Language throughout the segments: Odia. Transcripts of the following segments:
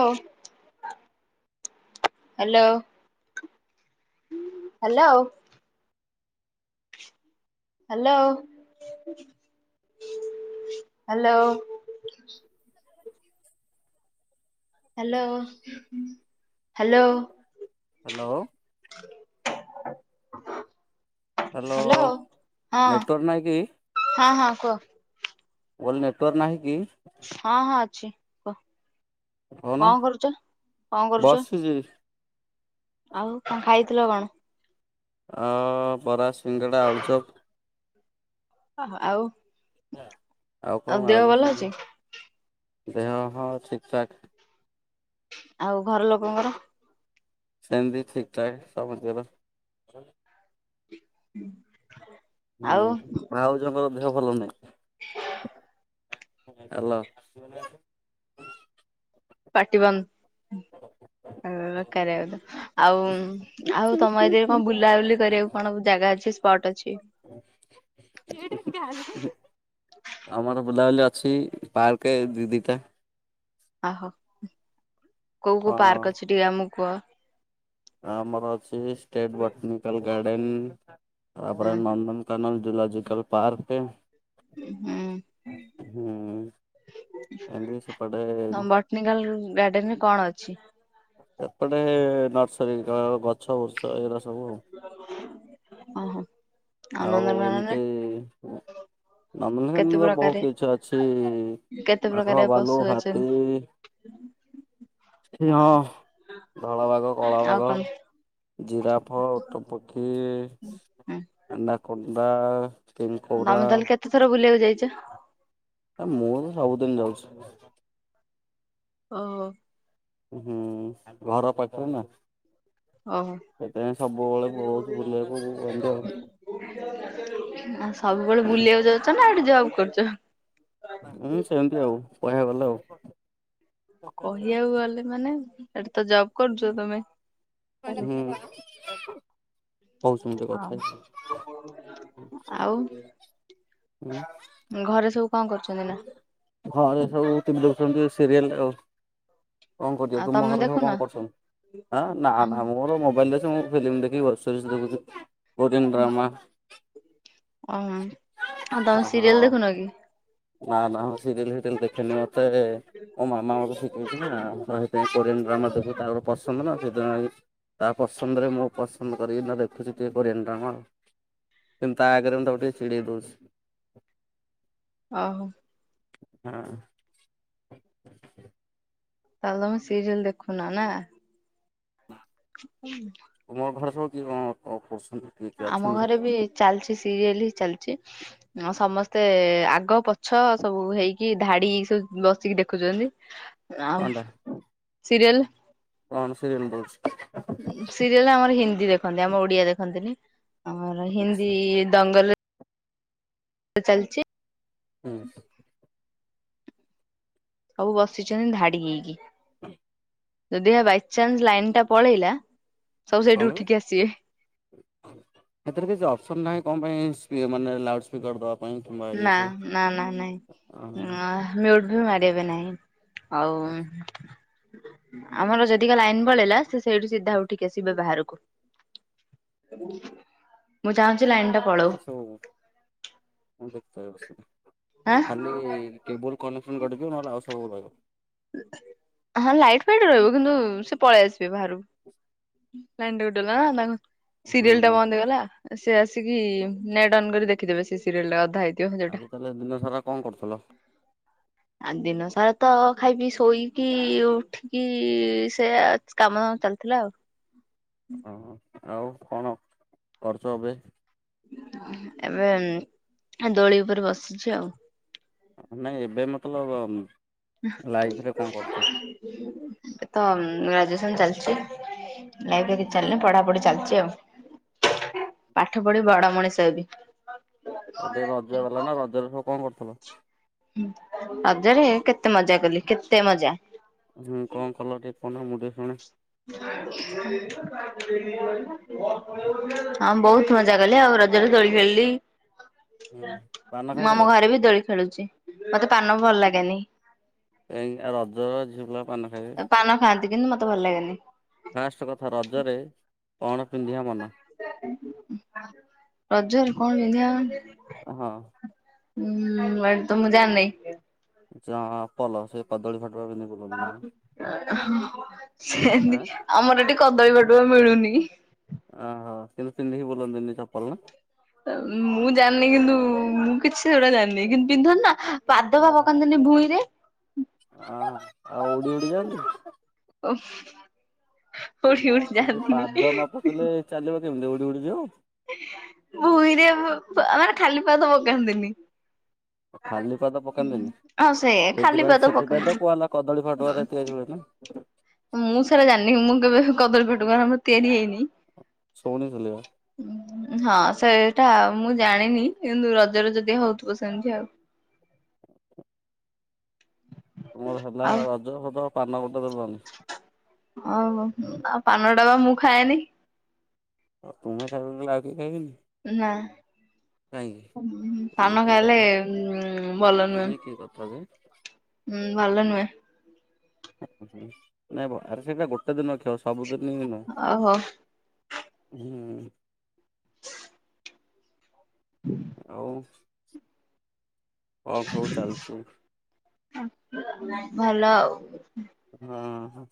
ହ hello. Hello. Hello hello. Hello hello. Hello. Hello ହଁ ନେଟୱାର୍କ ନାହିଁକି? ହଁ ହଁ କୁହ। ମୁଁ କହିଲି ନେଟୱର୍କ ନାହିଁ କି? ହଁ ହଁ ଅଛି କୁହ। କହୁନ କଣ କରୁଛ କଣ କରୁଛ? ବସିଛି ଆଉ କଣ ଖାଇଥିଲ କଣ? ଆ ବରା ସିଙ୍ଗଡ଼ା ଆଲୁଚପ। ଓହୋ। ଆଉ ଆଉ ଦେହ ଭଲ ଅଛି। ଦେହ ହ ଠିକ ଠାକ। ଆଉ ଘର ଲୋକଙ୍କର? ସେନ୍ତି ଠିକ୍ ଠାକ୍ ସମସ୍ତିଙ୍କର। ହୁଁ। ହୁଁ ଭାଉଜଙ୍କ ଦେହ ଭଲ ନାହିଁ। ହାଲୋ। ପାଟିିବନ୍ଦ ବେକାରୀଆ କଥା ଆଉ ଆଉ ତମ ଏଥିରେ କଣ ବୁଲାବୁଲି କରିବାକୁ କଣ ଜାଗା ଅଛି ସ୍ପଟ ଅଛି। ଆମର ବୁଲାବୁଲି ଅଛି ପାର୍କ ଦି ଦିଟା। ଓ ହୋ। କୋଉ କୋଉ ହଁ ପାର୍କ ଅଛି ଟିକେ ଆମକୁ କୁହ? ଆମର ଅଛି ଷ୍ଟେଟ ବଟନିକାଲ ଗାର୍ଡନ୍ ଦେନ୍ ତାପରେ ହୁଁ ନନ୍ଦନକାନନ ଜୁଲୋଜିକାଲ ପାର୍କ ଟେ ହୁଁ ହୁଁ। ଏମିତି ସେପଟେ ତ ବଟ୍ନିକାଲ ଗାର୍ଡେନ ରେ କଣ ଅଛି? ଏପଟେ ନର୍ସରୀ ଗଛ ବୁ ଏରା ସବୁ ଓହୋ ଆଉ ଏମିତି କେତେ ନନ୍ଦନକାନର ପ୍ରକାରେ ବହୁତ କିଛି ଅଛି କେତେ ବାଘ ପ୍ରକାରିଆ ଭାଲୁ ପଶୁ ହାତୀ ଅଛନ୍ତି ସିଂହ ଧଳା ବାଘ କଳା ଆଉ ବାଘ କଣ ଜିରାଫ ଓଟ ପକ୍ଷୀ ଆନା କୋଣ୍ଡା ତୋମେ ତାହେଲେ କେତେଥର ବୁଲିବାକୁ ଯାଇଚ? ଏ ମୁଁ ସବୁଦିନ ଯାଉଛି। ଓହୋ। ହୁଁ ଘର ପାଖରେ ନା ଓହୋ ସେଥିପାଇଁ ସବୁବେଳେ ପଳଉଚୁ ବୁଲିବାକୁ ଆଉ ଏମତିଆ। ଆସ ସବୁବେଳେ ବୁଲିବାକୁ ଯାଉଚନା ସେଠି ଜବ୍ କର କରୁଚ। ଉଁ, ସେମିତି ଆଉ କହିବାକୁ ଗଲେ ଆଉ। କ-କହିବାକୁ ଗଲେ ମାନେ ଏଠି ତ ଜବ୍ କରଚ ତୋମେ। ହୁଁ। କୋଉ ସମୟ ଟିକେ ହଁ କଥା ହେବି? ଆଉ ଉଁ, ଘରେ ସବୁ କଣ କରୁଛନ୍ତି ନା? ଘରେ ସବୁ ଥିଲୁ। ଛନ୍ତି ଏ ସିରିଏଲ୍ ଆଉ। କଣ କରିଚ ଆଉ ତୁମ ତମେ ଘର ସବୁ ଦେଖୁନ କଣ କରୁଛନ୍ତି? ଆଁ, ନା ନା ଓହୋ ମୋର ମୋବାଇଲ୍ ରେ ଏ ମୁଁ ଫିଲ୍ମ ଦେଖିକି ୱବସିରିଜି ଦେଖୁଚି। Korean drama. ଓ ହଁ ଆଉ ତୋମେ ସିରିଏଲ୍ ହଁ ଦେଖୁନ କି? ନା ନା ମୁଁ ସିରିିଏଲ୍ ଫିରିଏଲ ଦେଖେନି ମୋର ତେ ମୋ ମାମା ମୋତେ ଶିଖେଇଛନ୍ତି ନା ରହି [unintelligible] କୋରିଆନ୍ ଡ୍ରାମା ଦେଖୁ ତାର ପସନ୍ଦ ନା ସିଏ ତ ଆଣିକି, ତା ପସନ୍ଦରେ ମୁଁ ପସନ୍ଦ କରିବିନି ନା ଦେଖୁଛି ଟିକେ କୋରିଆନ୍ ଡ୍ରାମା କିନ୍ତୁ ତା ଆଗରେ ମୁଁ ତାକୁ ଟିକେ ଚିଡ଼େଇ ଦଉଛି। ଆ, ହୋ। ହଁ। ତାହେଲେ ତୋମେ ସିରିଏଲ୍ ଦେଖୁନ ନା। [unintelligible] [unintelligible] କିଏ କଣ ଅ, ଅପରସ ଆମ ଘରେ ବି ଚାଲିଛି ସିରିଏଲ୍ ହି ଚାଲିଚି, ଆଉ ସମସ୍ତେ ଆଗ ପଛ ସବୁ ହେଇକି ଧାଡି ସବୁ ବସିକି ଦେଖୁଚନ୍ତି। କଣଟା କଣ ସିରିଏଲ୍ ଦଉଛି। ସିରିଏଲ ଆମର ହିନ୍ଦୀ ଦେଖନ୍ତି ଆମ ଓଡିଆ ଦେଖନ୍ତିନି। ଆମର ହିନ୍ଦୀ ଆଚ୍ଛା ଦଙ୍ଗଲରେ ଚାଲଛି। ହୁଁ। ସବୁ ବସିଛନ୍ତି ଧାଡି ହେଇକି। ହୁଁ ଯଦି ବାଇଚାନ୍ସ ଲାଇନ ଟା ପଳେଇଲା ସବୁ ସେଇଠୁ କଣ ଉଠିକି ଆସିବେ। କହିଲେ, ଏଥିରେ କିଛି ଅପସନ ନାହିଁ କଣ? ମିନ୍ସ ଇଏ ମାନେ ଲାଉଡ଼ ସ୍ପିକର ଦବା ପାଇଁ କିମ୍ବା ଇଏ ନା ସିଏ। ନା ନା ନାଇଁ ନାହ ମିଉଟ ମାରିବେ ନାହିଁ। ହଉ ଉଁ ଆଚ୍ଛା ଆମର ଯଦିକା ଲାଇନ ପଳେଇଲା ସେ ସେଇଠୁ ସିଧା ଉଠିକି ଆସିବେ ବାହାରକୁ ମୁଁ ଚାହୁଛି ନା ସେ ସବୁ ଅ ଦେଖ୍ ତାଇ ବସରେ ଆଁ। ଖାଲି କେବୁଲ କନେ ପୁଣି କଟିକି ନହେଲେ ଆଉ ସବୁ ରହିବ। ହଁ ଲାଇଟ୍ ଫାଇଟ୍ ରହିବ କିନ୍ତୁ ସେ ପଳେଇ ଆସି ବ୍ୟବହାରୁ ଲାଇନ୍ ଟା କଟିଗଲା ନା ଗ ହୁଁ ସିରିଏଲ ଟା ବନ୍ଦ ହେଇଗଲା। ସେ ଆସିକି ନେଟ୍ ଅନ୍ କରି ଦେଖିଦେବେ ସେ ସିରିଏଲା ଅଧା ହେଇ ଆଜି ତାହଲେ ଦିନ ସାରା କଣ କରୁଥିଲ? ଆ ଦିନ ସାରା ତ ଖାଇ ପିଇ ଶୋଇକି ଉଠିକି ସେ କାମଧାମ ଚାଲିଥିଲା ଆଉ। ହୁଁ ଓହୋ ଆଉ କଣ କରୁଛ ଏବେ? ଏବେ ଦୋଳି ଉପରେ ବସିଛି ଆଉ। ନାଇଁ ଏବେ ମତଲବ, ଅମ୍ ଏ ତ ଗ୍ରାଜୁଏସନ ଚାଲି ଛି, ଲାଇଫ କିଛି ଚାଲିନି ପଢାପଢି ଚାଲିଛି ଆଉ। ପାଠ ପଢି ବଡ ମଣିଷ ହେବି। ଏବେ ରଜ ଗଲା ନା ରଜରେ ସବୁ କଣ କରୁଥିଲ? ହୁଁ ରଜରେ କେତେ ମଜା କଲି କେତେ ମଜା ହୁଁ କଣ କଲ ଟିକେ କହୁନ ମୁଁ ଟିକେ ଶୁଣେ, ହଁ ବହୁତ ମଜା କଲି ଆଉ ରଜରେ ଦୋଳି ଖେଳିଲି। ହୁଁ ପାନ ମୁଁ ଖାଇଥିଲ ଆମ ଘରେ ବି ଦୋଳି ଖେଳୁଛି। ମତେ ପାନ ଭଲ ଲାଗେନି। ଏଇନା ରଜର ଝିଅ ପିଲା ପାନ ଖାଇବେ। ପାନ ଖାଆନ୍ତି ସେ କିନ୍ତୁ ମତେ ଭଲ ଲାଗେନି। ଫାଷ୍ଟ କଥା ରଜରେ କଣ ପିିନ୍ଧିବା ମନା? ରଜରେ କଣ ପିନ୍ଧିବା ହଁ। ହୁଁ ଏଇଟା ତ ମୁଁ ଯାଣିନି। ଚପଲ ସେ କଦଳୀ ପାଟୁଆ ହଁ ସେନ୍ତି ଆଁ ଆମର ଏଠି କଦଳୀ ପ ମିଳୁନି। ଓହୋ କିନ୍ତୁ ପିନ୍ଧିକି ବୁଲନ୍ତିନି ଚପଲ ନା। ମୁଁ ଜାଣିନି କିନ୍ତୁ ମୁଁ କିଛି ସେଗୁଡା ଜାଣିନି କିନ୍ତୁ ପିନ୍ଧତି ନା। ପାଦ ବା ହଁ ପକାନ୍ତିନି ଭୂଇଁରେ। ଆଉ ଉଡି ଉଡି ଯାଆନ୍ତି? ଓଫ ଏମତି ପାଦ ନ ପକେଇଲେ ଚାଲିବ କେମିତି ଉ ଦୌଡ଼ିଯାଉ। ଭୂଇଁ ରେ ଅ ମାନେ ଖାଲି ପାଦ ପକାନ୍ତିନି। ଖାଲି ପାଦ ପକାନ୍ତିନି ହଁ ସେ ଖାଲି ସେଥିପାଇଁ ପାଦ ସେଥିପାଇଁ ତ ପକାନ୍ତିନି। କୁହା ହେଲା କଦଳୀ ଫାଟୁଆରେ ତିଆରି ହୁଏ ନା। ମୁଁ ସେଟା ଜାଣିନି ମୁଁ କେବେ କଦଳୀ ଫଟୁଆ ମୋର ତିଆରି ହେଇନି ସଉଣି ଚଲେଇବା। ହଁ ସେଇଟା ମୁଁ ଜାଣିନି କିନ୍ତୁ ରଜରେ ଯଦି ହଉଥିବ ସେମିତି ଆଉ ତୁମର ହେଲା ଆଉ ରଜ ଫଜ ପାନ। [unintelligible] ଆଉ ମ ଆଉ ପାନ ଟା ବା ମୁଁ ଖାଏନି। ଆଉ ତୁମେ ଖାଇବନି ବୋଲି ଆଉ କେହି ଖାଇବେନି। ନା କାହିଁକି ଇଏ ପାନ କି ଖାଇଲେ କଥା ଭଲ ଇଏ କି କଥା ଯେ? ନୁହେଁ। ହୁଁ ଭଲ ନୁହେଁ। ନାଇଁ ଆରେ ସେଇଟା ଗୋଟେ ଦିନର ଖେଳ ସବୁଦିନ ନୁହଁ। ଓହୋ। ହୁଁ। ଆଉ କଣ ସବୁ ଚାଲିଛି [inaudible] ଭଲ ଆଉ। ହଁ ହଁ।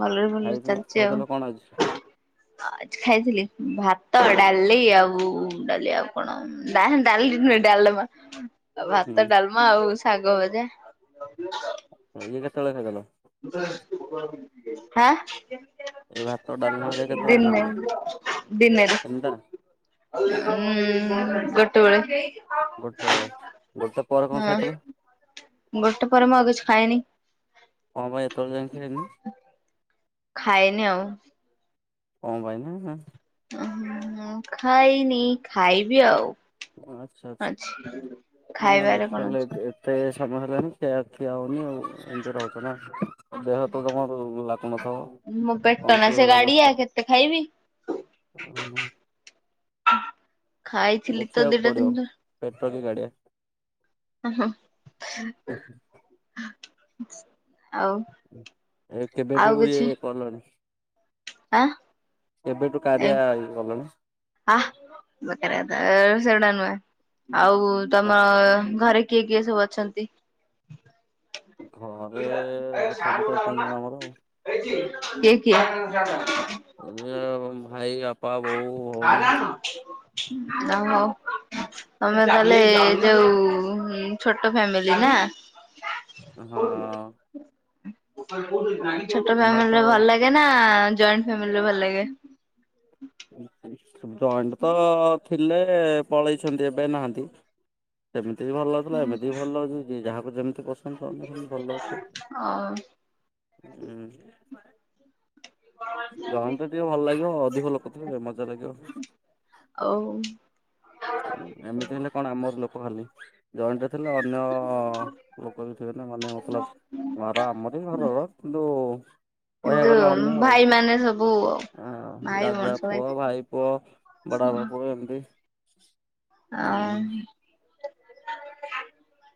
ଭଲରେ ଭଲରେ ଖାଇ ପିଇ ଚାଲିଛି ଖାଇଦେଲ କଣ ଆଜି? ଆଉ। ଆ ଖାଇଥିଲି ଭାତ ଡାଲି ଆଉ ଡାଲି ଆଉ କଣ ଡାଲି ନୁହେଁ ଡ଼ାଲମା। ଆଉ ହୁଁ ଭାତ ଡାଲମା ଆଉ ଶାଗ ଭଜା ଏଇ କେତେବେଳେ ଖାଇଥିଲ? ଆଁ ଏଇ ଭାତ ଦିନେ ଡାଲମା ହେରିକା କେତେବେଳେ ଖାଇଦେଲ ଦିନେରେ ତିନିଟା ଉଁ ଗୋଟେବେଳେ। ଗୋଟେ ବେଳେ ଗୋଟେ ପରେ କଣ ହଁ ଖାଇଥିଲ? ଗୋଟେ ପରେ ମୁଁ ଆଉ କିଛି ଖାଇନି। କଣ ପାଇଁ ଏତେବେଳେ ଯାଏ ଖାଇନ? ଖାଇନି ଆଉ। କଣ ପାଇଁ ନା? ଓହୋ ଖାଇନି ଖାଇବି ଆଉ। ଆଚ୍ଛା ଅଛି ଆଛା ନା ଖାଇବାରେ କଣ ନାଇଁ ଅଛି। ଏତେ ସମୟ ହେଲାନି ଖିଆ ଖିଆ ହଉନି ଆଉ। ସେମିତି ରହୁଛ ନା ଦେହ ତ ତମର ଲାଗୁନଥିବ ଆଉ ମୋ ପେଟ କଣ ନା କି ସେ ଭଳିଆ ଗାଡିଆ ଦୁଶୁଛ କେତେ ଖାଇବି ଓହୋ। ଖାଇଥିଲି ତ ଦିଟା ତିନିଟା ଟ କି ଗାଡ଼ିଆ। ଓହୋ। ହ [inaudible] ଏ କେବେଠୁ କିଛି ଇଏ କଲଣି? ଆ କେବେଠୁ ଏ କାରୟା ଇଏ କଲଣି। ହ [inaudible] ଆ ବେକାରିଆ କଥା ସେଗୁଡା ନୁହେଁ। ଆଉ ତମ ଆଚ୍ଛା। ଘରେ କିଏ କିଏ ସବୁ ଅଛନ୍ତି? ଘରେ ଟା ଅଛନ୍ତି ଚାରି ପାଞ୍ଚ ଜଣ ଆମର ଆଉ। [unintelligible] ଭାଇ ଆପ୍ [unintelligible] [unintelligible] ଓହୋ ତମେ ତାହେଲେ ଯୋଉ ଛୋଟ ଫ୍ୟାମିଲି ନା। ହଁଅଁ। [inaudible] ଛୋଟ ତ ଫେମିଲି ଭଲ ଲାଗେ ନା ଜଏଣ୍ଟ ଫ୍ୟାମିଲିରେ ଭଲ ଲାଗେ। ଜଏଣ୍ଟ ତ ଥିକ୍ ଥିଲେପଳେଇଛନ୍ତି ଏବେ ନାହାନ୍ତି। ସେମିତି ସେମିତି ବି ଭଲ୍ଲାଗୁଥିଲା ଏମିତି ବି ଭଲଲ୍ଲାଗୁଛି। ଯିଏ ଯାହା ମୁଁ ଯେମତି କଷ୍ ମ ଭଲ ଲାଗୁଛିସବୁ। ଓ ଉଁ ଗାଁ ଟା ଟିକେ ଭଲ ଲାଗିବ ଅଧିକ ଲୋକ [inaudible] ମଜା ଲାଗିବ। ଆଉ ଏମିତି ହେଲେ କଣ ଆମର ଲୋକ୍ ଲଲି ଜଏଣ୍ଟ ଥିଲେ ଅନ୍ୟ ଲୋକ ବି ଠିକ ମାନେ ମତଲବ ଘର। ଆମରି ଘରର କିନ୍ତୁ, କହିବାକୁ କିନ୍ତୁ ଗଲେ ଅନ୍ୟ ଆଉ ଭାଇ ମାନେ ସବୁ ଭାଇ ଦାଦା ଭଉଣୀ ସବୁ ପୁଅ ଭାଇ ପୁଅ ବଡ ବାପା ପୁଅ ଏମିତି। ହୁଁ ଆଁ [unintelligible]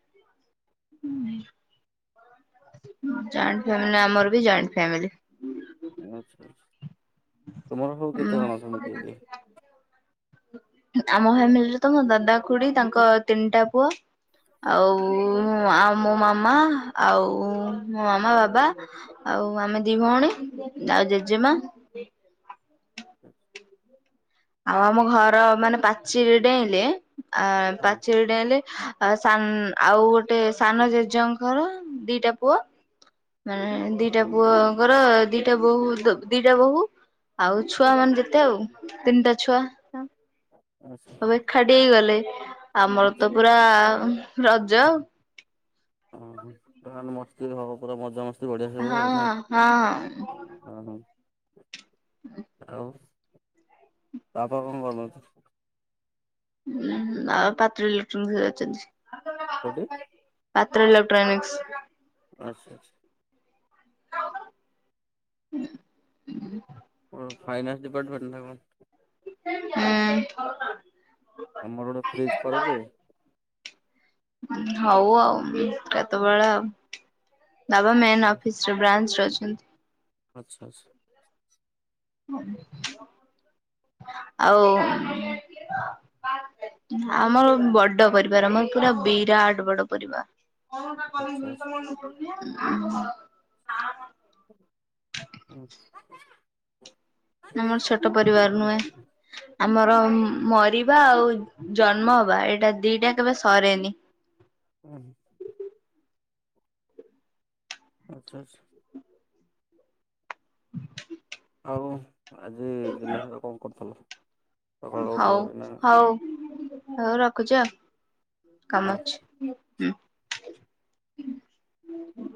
ଜଏଣ୍ଟ ଫ୍ୟାମିଲି ଆମର ବି ଜଏଣ୍ଟ ଫ୍ୟାମିଲି। ଆଛା ଆଛା। ତୁମର ସବୁ ଉଁ କେତେଜଣ ଅଛନ୍ତି କିଏ କିଏ। ଆମ ଫ୍ୟାମିଲିରେ ତ ମୋ ଦାଦା ଖୁଡି ତାଙ୍କ ତିନିଟା ପୁଅ, ଆଉ ଆଉ ମୋ ମାମା ଆଉ ମୋ ମାମା ବାବା, ଆଉ ଆମେ ଦି ଭଉଣୀ ଆଉ ଜେଜେମା ଆଉ ଆମ ଘର ମାନେ ପାଚିରି ଡେଇଁଲେ ଆ ହଁ ପାଚିରି ଡେଇଁଲେ ଆ ସାନ୍ ଆଉ ଗୋଟେ ସାନ ଜେଜେଙ୍କର ଦିଟା ପୁଅ ମାନେ ଦିଟା ହଁ ପୁଅଙ୍କର ଦି ଦିଟା ବୋହୂ ଦ ଦିଟା ବୋହ ଆଉ ଛୁଆ ମାନେ ଯେତେ ଆଉ ତିନିଟା ଛୁଆ। ସବୁ ଆଚ୍ଛା ଏକାଠି ହେଇଗଲେ। [unintelligible] ଆମର ତ ପୁରା ରଜ ହଁ ହଁ ତାହେନେ ମସ୍ତି ହବ ପୁରା ମଜା ମସ୍ତି ବଢିଆ ଆଉ ହଁ ହଉ ନା ହଁ ଅ ହ। ଆଉ ତାପ କଣ କରମ ହୁଁ ଆଉ ପାତ୍ର ଇଲେକ୍ଟ୍ରୋନିକ ଅଛନ୍ତି। କୋଉଠି? ପାତ୍ର ଏଲେକ୍ଟ୍ରାନିକ୍ସ୍। ଆଚ୍ଛା ଆଛା। ହ। ଫାଇନାନ୍ସ ଡିପାର୍ଟମେଣ୍ଟ କଣ? ହ। ଆମର ଗୋଟେ ଫ୍ରିଜ କରେଇଦେ ହଉ ଆଉ କେତେବେଳେ ଆଉ ବାବା ମେନ୍ ଅଫିସ ର ବ୍ରାଞ୍ଚ ର ଅଛ ଛନ୍ତି। ଆଚ୍ଛା ଆଚ୍ଛା। [inaudible] ଆଉ ଆମର ବଡ ପରିବାର ଆମର ପୁରା ବିରାଟ ବଡ ପରିବାର। ଆଚ୍ଛା ଆଚ୍ଛା ଉଁ [inaudible] ହୁଁ। [inaudible] ଆମର ଛୋଟ ପରିବାର ନୁହେଁ ଆମର ମରିବା ଆଉ ଜନ୍ମ ହବା ଏଇଟା ଦିଟା କେବେ ସରେନି। ହୁଁ। [inaudible] ଆଚ୍ଛା ଆଚ୍ଛା। ହ ଆଉ ଆଜି ଦିନ ସାରା କଣ କରୁଥିଲୁ? ହଉ ହଉ। ହଉ ରଖୁଛି ଆଉ। କାମ ଅଛି ହୁଁ। ହଁ।